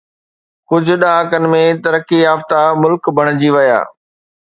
ڪجهه ڏهاڪن ۾ ترقي يافته ملڪ بڻجي ويا